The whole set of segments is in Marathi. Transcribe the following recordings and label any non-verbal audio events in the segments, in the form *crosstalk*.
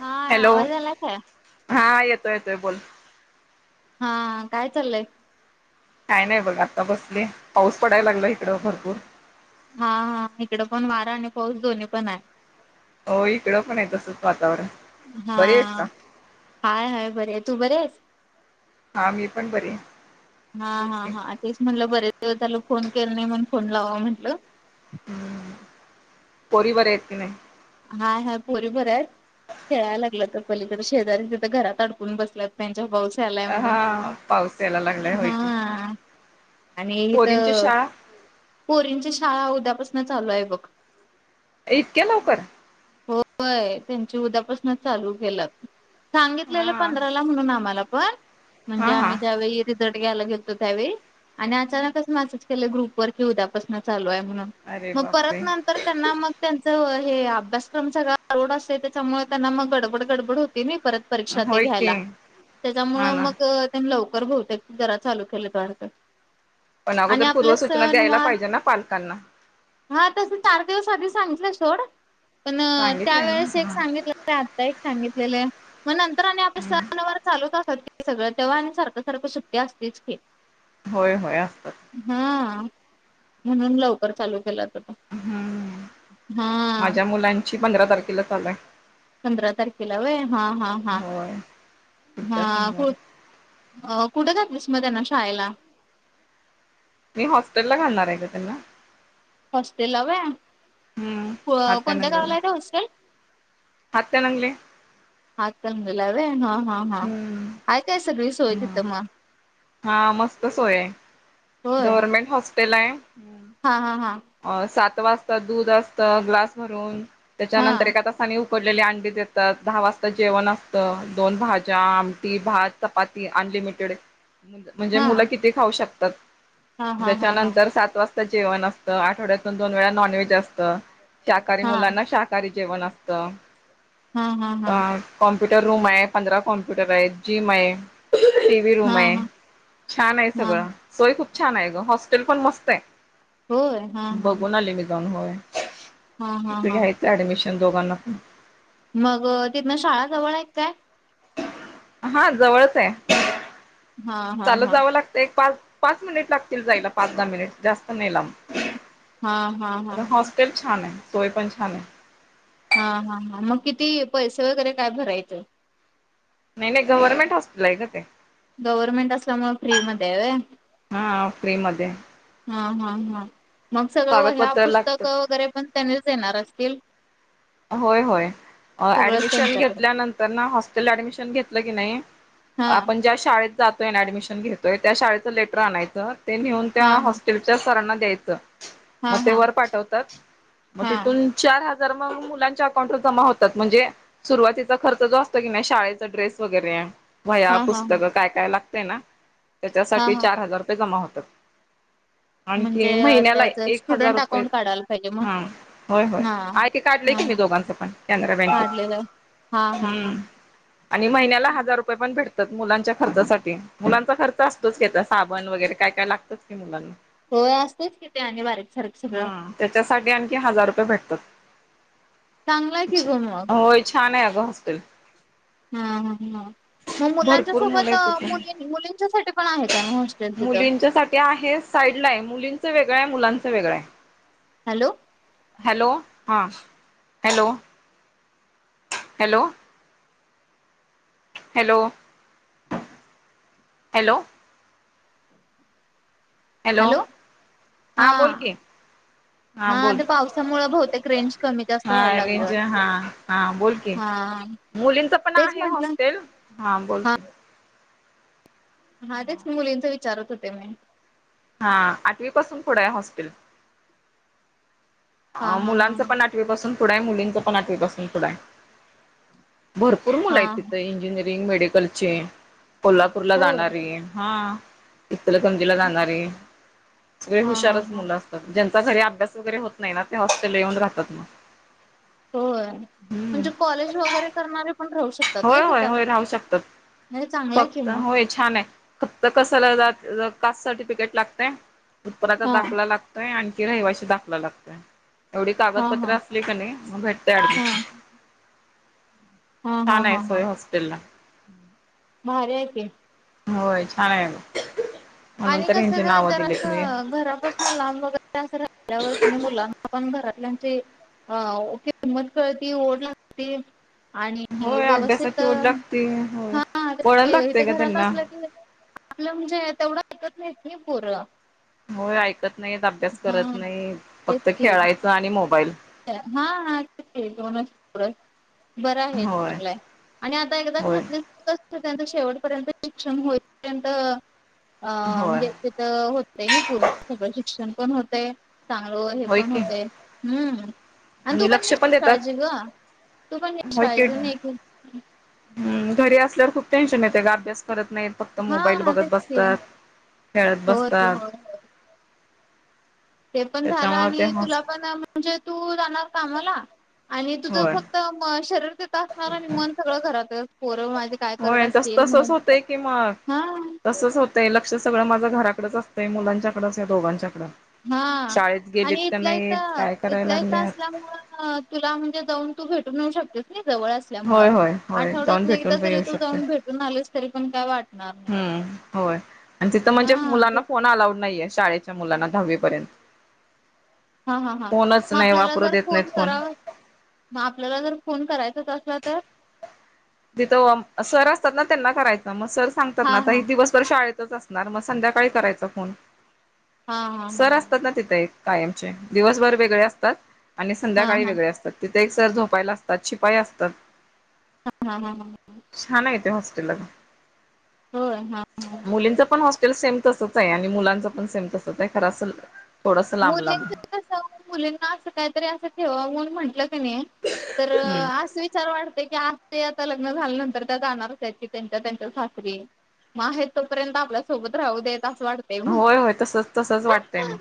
हा हॅलो आवाज आला काय? हा येतोय येतोय बोल हा काय चाललंय. काय नाही बघ आता बसले पाऊस पडायला लागला इकडं भरपूर हा हा इकड पण वारा आणि पाऊस दोन्ही पण हाय. हो इकडं पण हाय तसंच वातावरण हा बरे आहेत का हाय हाय बरी आहे तू बरीयस हा मी पण बरी आहे हा बोल हा की हा तेच म्हटलं बरेच दिवस झालं फोन केलं नाही म्हणून फोन लावाव म्हटलं. हम्म पोरी बऱ्यात कि नाही. हाय हाय पोरी बऱ्यायत खेळाय लागल्यात पलीकड शेजारी तिथं घरात अडकून बसल्यात. त्यांच्या पाऊस यालाय म्हणून हा पाऊस यायला लागलाय होय की हा आणि इथ पोरींची शाळा पोरींची शाळा उद्यापासून चालूय बघ. इतक्या लवकर होय त्यांची उद्यापसन चालू केल सांगितलेलं हा पंधराला म्हणून आम्हाला पण हा म्हणजे आम्ही हा त्यावेळी रिझल्ट घ्यायला गेेलतो त्यावेळी आणि अचानकच मसेज केलंय ग्रुपवर कि उद्यापासून चालूय म्हणून अरे मग बापरे परत नंतर त्यांना मग त्यांच हे अभ्यासक्रम सगळा लोड असतोय त्याच्यामुळे त्यांना मग गडबड गडबड होती नी परत परीक्षा ते होय की घ्यायला त्याच्यामुळ हा ना मग त्यांन लवकर बहुतेक जरा चालू केलंत वाटतं. पण आणि अगोदर पूर्व आपले सूचना सण द्यायला वार पाहिजे ना पालकांना हा तस चार दिेवस आधी सांगितलंय सोड पण सांगितलंय ना त्यावेेळेस एक हा सांगितलेलं आणि आता एक सांगितलेलं मग नंतर आणि आपले सणवार चालूच असतात कि सगळं तेव्हा आणि सारखं सारखं सुट्टी असतेच कि *inaudible* होय होय असतात. हा म्हणून लवकर चालू केला होता तो हम्म हा माझ्या मुलांची पंधरा तारखेला चालूय. पंधरा तारखेला व्हय हा हा हा. होय हा पुढच्या कु सोमवारी कुठ घातलीस मग त्यांना शाळेला? मी हॉस्टेल ला घालणार आहे का त्यांना हॉस्टेला व्हय. हम्म को कोणत्या गावाला हात्यानंगलेला हाय गं हॉस्टेल? हात्यानंगले हातकणंगलेला हाय व्हय. हा हा हा हम्म हाय काय सगळी सोय हा तिथं मग हा मस्त सोय हाय होय गव्हरर्मेंट हॉस्टेल हाय. हा हा हा. सात वाजता दूध असतं ग्लास भरून हा त्याच्यानंतर एखादा आणि उकडलेले अंडी देतात दहा वाजता जेवण असतं दोन भाज्या, आमटी, भात चपाती अनलिमिटेड म्हणजे हा मुलं किती खाऊ शकतात हा हा हा हा हा त्याच्यानंतर सात वाजता जेवण असत आठवड्यातून दोन वेळा नॉनव्हेज असतं शाकाहारी हा मुलांना शाखाहरी सारी जेवण असतं. हा हा कॉम्प्युटर रूम आहे पंधरा कॉम्प्युटर आहे जिम आहे टी व् रूम आहे. हा छान आहे हा सगळं सोय खूप छान आहे ग हॉस्टेल पण मस्त आहे. होय हा हा बघून आली मी दन होय हा हा हा घ्यायचं ऍडमिशन दोघांना पण मग तिथन शाळा जवळ आहेत काय? हा जवळच हाय. हा हा चालत हा जावं लागत एक पाच पाच मिनिट लागतील जायला पाच दहा मिनिट जास्त नाही लांब. हा हा हा तर हा. हॉस्टेल छान आहे सोय पण छान आहे. हा हा हा मग किती पैसे वगैरे काय भरायचं? नाही गव्हनमेंट हॉस्पिटल आहे का ते गव्हर्नमेंट असल्यामुळे फ्री मध्ये आहे. हा फ्री मध्ये हाय. हा हा हा मग सगळं व ह्या कागदपत्र लागतात. पुस्तकं वगैरे पण त्यानेच येणार असतील. होय होय सगळंच ऍडमिशन त्यांच्याकडून घेतल्यानंतर ना हॉस्टेल ऍडमिशन घेतलं की नाही. हा आपण ज्या शाळेत जातोय ऍडमिशन घेतोय त्या शाळेचं लेटर आणायचं ते नेऊन त्या हा हा हॉस्टेल सरांना द्यायच मग हा ते हा वर पाठवतात मग हा तिथून चार हजार म मुलांच्या अकाउंट जमा होतात म्हणजे सुरुवातीचा खर्च जो असत की नाही शाळेचा ड्रेस वगैरे वह्या हा हा पुस्तक काय काय लागतेय ना हा त्याच्यासाठी हा चार हजार रुपये जमा होतात. म्हणजे आणखी महिन्याला आहे त्याच एक हजार स्टुडंट रुपये अकाउंट काढायला पाहिजे मग हा होय होय हा ते काढले. हा मी हा दोघांचं पण कॅनडा काढलेलं हा बँकेत हा हा हम्म. आणि महिन्याला हजार रुपये पण भेटतात मुलांच्या खर्चासाठी मुलांचा खर्च असतोच का त्या साबण वगैरे काय काय लागतंच की मुलांना होय असतेच किती आणि बारीक सारीक सगळं. हा त्याच्यासाठी आणखी हजार रुपये भेटतात. चांगलाय की अच्छ ग मग होय छान आहे अगं हॉस्टेल. हम ह हा. मग मुलांच्या भरपूर मुलं सोबत आहेत तिथे मुली मुलींच्यासाठी पण आहे काय हॉस्टेल तिथं मुलींच्यासाठी आहेस. साईड ला आहे मुलींचं वेगळं आहे मुलांचं वेगळं आहे. हॅलो. हॅलो हां hello hello. Hello hello hello हा बोल कि हा बोल ते पावसामुळे बहुतेक रेंज कमी जास्त हा व्हायला लागली रेंज वाटतं हा हा बोलकी हा मुलींच पण तेच आहे म्हंटलं हॉस्टेल हा बोलकी हा तेच मुलींच विचारत होते मी हा आठवी पासून पुढं आहे हॉस्टेल हा हा हा मुलांचं पण आठवीपासून पुढं आहे मुलींचं पण आठवीपासून पुढं आहे भरपूर कवडा मुला हा आहे तिथं इंजिनिअरिंग मेडिकल चे कोल्हापूरला होय जाणारी हा इतलगंजीला जाणारी सगळे हा हा हुशारच हा मुलं असतात ज्यांचा घरी अभ्यास वगैरे होत नाही ना ते हॉस्टेलला येऊन राहतात मग होय हम्म म्हणजे कॉलेज वगैरे करणारे पण राहू शकत होय होय होय राहू शकतात चांगलंय की फक्त मग होयच छान आहे फक्त कस कास् सर्टिफिकेट लागते उत्पन्नाचा हा दाखला लागतोय आणखी रहिवाशी दाखला लागतय एवढी हा हा कागदपत्र असली क नाही मग भेटतेय हा ऍडमिशन हा हा छान आहे हा हा सोय हॉस्टेल ला भारी आहे की होय छान आहे म्हणून आणि तर यांची कसं ग नावं जर दिलेत मी असं घरापस- लांब वगैर अस राल्यावर मुलांना पण घरातल्यांचे- हा किंमत कळती ओढ लागते. आणि होय व्यवस्थित अभ्यासाची ओढ लागते होय हा वळण इथे लागतय का घरात त्यांना असलं की- आपलं म्हणजे तेवढं ऐकत नाहीत नाही पोर होय ऐकत नाही अभ्यास करत हा नाही तेच फक्त की खेळायचं आणि मोबाईल हा हाच बरं आहे होय चांगलाय आणि आता एकदा होय घातली त्यां शेवटपर्यंत शिक्षण होईपर्यंत अ होय म्हणजे तर होतय नाही पूर्ण सगळं शिक्षण पण होतय चांगलं हे होय पण की होतय हम्म आणि तू पण निष्काळजे ग तू पण निष्काळजे नाही. हम् घरी असल्यावर खूप टेन्शन येते का अभ्यास करत नाहीत. फक्त मोबाईल हा बघत तेच की बसतात खेळत हो ते बसतात. हो हो ते पण झालं त्याच्यामुळे ते आणि हस तुला पण म्हणजे तू जाणार कामाला. आणि तुझं होय फक्त शरीर तिथ असणार आणि मन सगळं घरात पोरं माझे- काय करत होय तस असतील म्हणून हा, तसंच होतंय लक्ष सगळं माझं घराकडंच असतंय मुलांच्याकडंच या दोघांच्याकडं- हा शाळेत गेलीत आणि का इथलंही नाहीत तर काय करायला इथलंही तर लागल्यात असल्यामुळं, तुला म्हणजे जाऊन तू भेटून येऊ शकतेस जवळ, ल्या होय होय होय जाऊन आठवड्यात एकदा भेटून पण जरी येऊ तू शकते जाऊन भेटून आलेस तरी पण काय वाटणार नाही. हम्म होय आणि तिथं म्हणजे हा ते मुलांना फोन अलाउड नाहीये शाळेच्या मुलांना दहावीपर्यंत. हा हा हा फोनच मग नाही आपल्याला वापरू जर देत फोन नाहीत कराव. मग आपल्याला जर फोन करायचाच असला तर तिथं सर असतात ना त्यांना करायचं मग सर सांगतात ना हा आता हा ह- सर शाळेतच असणार मग संध्याकाळी करायचा फोन हा हा सर असतात ना तिथे एक- कायमचे दिवसभर वेगळे असतात आणि हा संध्याकाळी हा वेगळे असतात. तर तिथे एक सर झोपायला असतात शिपाई असतात. हां हां हां हां छान आहे ते हॉस्टेलला होय हा हा हा मुलींच पण हॉस्टे- सेम तसच आहे आणि मुलांच पण सेम तसच आहे खर अस- थोडस लांब लांब मुलींच कस मुलींना असं काहीतरी असं ठेवा म्हणून म्हंटलं क नाही. तर हम्म अस विचार वाटतय की आ- ते आता लग्न झाल्यानंतर त्या जाणार त्याची त्यांच्या त्यांच्या सासरी. मग आहेत तोपर्यंत आपल्यासोबत राहू देत असं वाटत. होय होय तसच तसंच वाटतंय मग,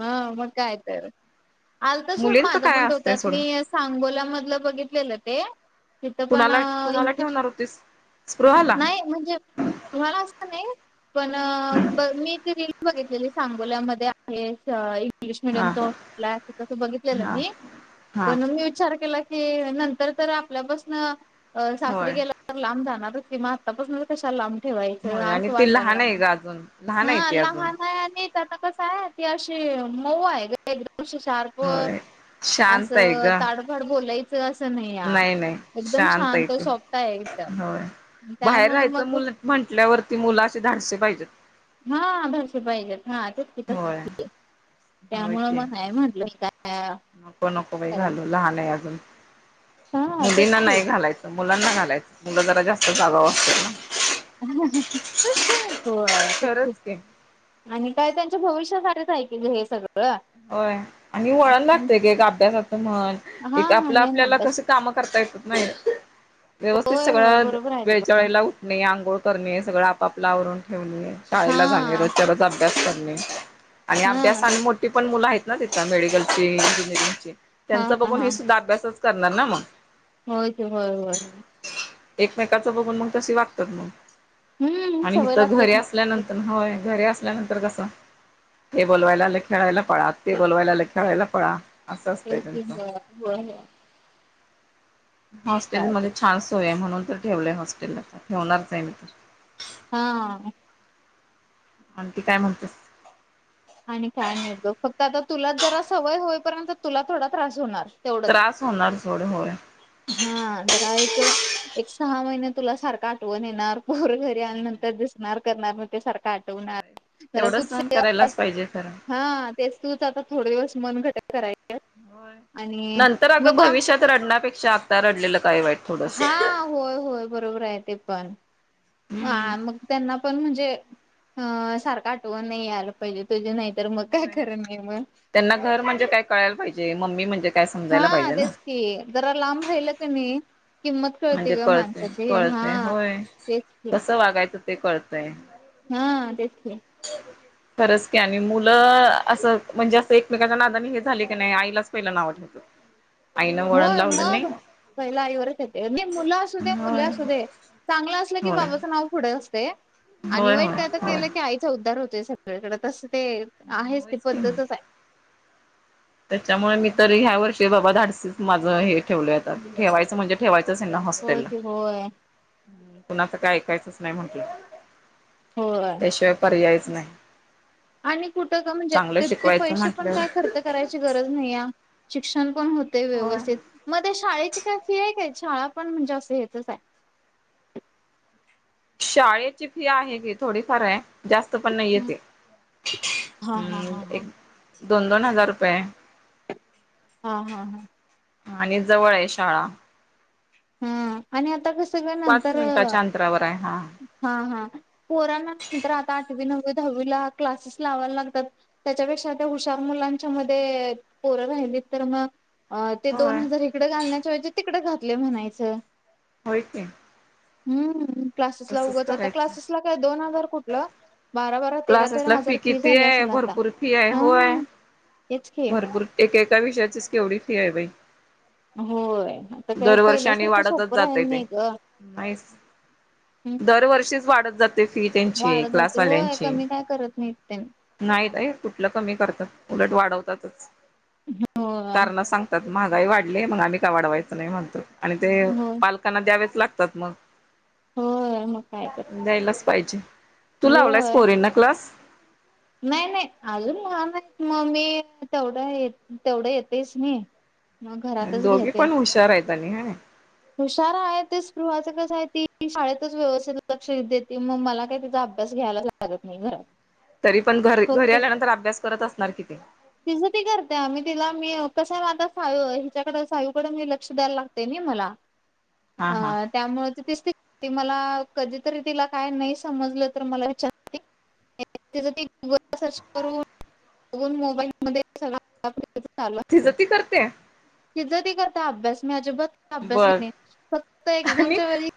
हा मग काय तर आल तर सोड मुलींच माझं काय पण असतंय डोक्यात सोडून मी. सांगोला मधलं बघितलेलं ते. तिथं पण कुणाला कुणाला इंग्लिश ठेवणार होतीस स्पृहाला नाही म्हणजे. तुम्हाला असं नाही पण मी तेे रील बघितलेली सांगोल्यामध्ये- येस इंग्लिश हा मिीडियमच हॉस्टेल आहे तसं बघितलेलं हा मी हा पण मी विचार केला- ते नंतर तर आपल्यापासन सासरीे होय गेला तर लांब जाणारच की. आतापासून कशाला लांब ठेवायचं होय आणि असं ती वाटाला लहान आहे लागल ग अजून लहान आहे हा ती अजून लहान आहे आणि- य त अशी मऊ आहे एकदम शाप होय. अस शांत आहे ग तड *inaudible* धडधड बोलायचं असं नाही या नाही एकदम आहे शांत ती सोपता आहे एकदम, होय. बाहेर त्यामुळं राहायचं मग मुल म्हंटल्यावरती मुलाचेे धाडसे पाहिजेत. हा धाडसी पाहिजेत हा तेकी होय. होय त्यामु की मग नाही म्हटलं काय. नको नको बाही करा घालू लहान आहे अजून हा तेच मुलींना की नाही घालायचं. मुलांना घालायच मुलं जरा जास्त जागा असते ना होय खरंच की आणि काय त्यांच्या भविष्यासाठीच ऐक हे सगळं होय आणि वळण लागतय क एक अभ्यासाचं म्हण हा एक हा आपलं मेन आपल्याला अभ्यास कस काम करता येत नाही व्यवस्थित होय होय सगळं बरोबर आहे व ते पण वेळेला उठणे आंघोळ करणे सगळं आपापला आवरून ठेवणे हा शाळेला जाणे रोजच्या रोज- अभ्यास करणे आणि अभ्यास हा. आणि मोठ- ती पण मुलं आहेत ना तिथं मेडिकल ची इंजिनिअरिंगची हा त्यांचा हा बघून हे सुद्धा अभ्यासच करणार ना मग. होच होय होय हो एकमेककाचं बघून मग त वागतात मग. हम्म आणि सवय इथं लागते घरी एकमेकांची. असल्यानंतर हय घरी अस- आपल्यानंतर कस हे बोलवायला आले खेळायला पळा ते बोलवायला आले खेळायला पळा. असं असतंय ते त्यांचं. हो हो काय ते हॉस्टेलमध्येध्ये छान सोय म्हणून तर ठेवलंय हॉस्टेलला तर ठेवणारच आहे मी तर हा म्हण त काय म्हणते आणि काय नि ब फक्त आता तुला जरा सवय होईपर्यंत तुला थोडा त्रास होणार तेवढंच. त्रास होणार थोडे होय हा तररा एक एक सहा महिने तुला सारखं आठवण येणार पोर घरी आल्या नंतर होय दिसणार करणार म ते सारख काठवणार ज तू च पाहिजे खर हा तेच तूच आता थोडे दिवस मन घट करायच्या. हो नंतर अगं भविष्यात रडण्यापेक्षा आता रडलेलं काय वाईट. थोडस. हा होय होय बरोबर आहे ते पण. हम्म. ह मग त्यांना पण म्हणजे अ सारखं आठवण नाही आलं पाहिजे तुजे नाही. तर मग काय होय खर नाही मग त्यांना घर म्हणजे काय कळायला पाहिजे मम्मी म्हणजे काय समजायला पाहिजे ना. ते जरा लांब राहिल क मी. किंमत कळते म्हणजे ग कळतय माणसाची हा कळतय होय. तेच. की कसं वागायचं ते कळतंय. हा तेच. खरच की आणि मुलं असं म्हणजे असं एकमेकाच्या नादाने हे झाले की नाही आईलाच पहिलं नावटलं. हो मग. पहिला आईवरच येते मुलं असू दे मुले होय असू दे चांगलं असलं की होय बाबाचं नाव पुढे असत. आणि होय वाईट होय काय होय. केलं आ उद्धार होतोय सगळ्याकडें तसं ते आहेच ती होयच की मग. पद्धतच आहे. त्याच्यामुळे मी तर ह्या वर्षी बाबा धाडसच माझं हे ठेवल आहे ठेवायचं म्हणजे. ठेवायचच आहे ना होय हॉस्टेलला की होय कुणाच काय ऐकायचंच नाही म्हंटलं. होय. त्याशिवाय पर्यायच नाही. आणि कुठं का म्हणजे चांगलं तितके शिकवायचं पैसे पण काय म्हटल्यावर खर्च करायची गरज नाही आहे शिक्षण पण होत. होय. व्यवस्थित मग ते शाळेची काय फी आहे काय शाळा पण म्हणजे असं येतच आहे. शाळेची फी आहे की थोडीफार आहे. जास्त पण नाही येते हा हा हम् हा हा एक दोन दोन हजार रुपये. हा हा हा.. आणि जवळ आहे शाळा. हा आणि आता कस काय पाच नंतर. मिनिटाच्या अंतरावर आहे हा हा हा पोराना नंतर आता आठवी नववी दहावीला क्लासेस लावायला लागतात. त्याच्यापेक्षा त्या हुशार मुलांच्या मध्ये पोरं राहिलीत तर मग. अ ते दोन होय हजार इकडें घालण्याच्या वयचे तिकडें घातले म्हणायचं. होय की. हम्म क्लासेस ला तसंच उगच आता करायचं. क्लासेसला काय दोन हजार कुठलं. बारा बारा तेरा तेरा क्लासेसला हजार फी किती झाली आहे असल आता भरपूर फी आहे होय. हम्म. भरपूर एक एका विषयाचीच केवढी फी आहे बाई होय आता काय दरवर्षानी पहिल्यासारखं वाढतच सोपं जातय राहिल ते नाही ग नाही. हम्म दरवर्षीच वाढत जाते फी त्यांची वाढत जाते होय क्लासवाल्यांची. कमी काय करत नाहीत त्यानी नाहीत आहे कुठलं कमी करतात उलट वाढवतातच होय कारण सांग महागाई वाढली मग आम्ही का वाढवायचं नाही म्हणतो आणि ते होय पाल.. त्यांना द्यावेच लागतात मग होय मग काय तर द्यायलाच पाहिजे. तू लावलायस होय पोरन ना क्लास. नाही नाही अजून लहान आहे मग मी तेवढं तेवढं येतेच नाही. मग घरातच दोघी घेते. पण हुशार आहेत आणि ह हुशार आहे ते स्पृहाचं कस आहे ती शाळेतच व्यवस्थित लक्ष देते मग मला काय तिचा अभ्यास घ्यायला. लागत नाही घरात. तरी पण घ घरी फक्त आल्यानंतर अभ्यास करत असणार की. तिचं ती करते आम्ही तिला मी कसं माझा सायू हिच्याकड सायूकडे मी लक्ष द्यायला लागते नाही मला. हा त्यामुळे ते ते मला कधीतरी तिला काय नाही समजलं तर मला वि. तीच ती गुगल ला सर्च करून बघून मोबाईल मध्ये तिचं ती करते तीच ती करत्या अभ्यास मी अजिबात अभ्यास बघ केणे फक्त आणि एक्झामच्या वेळी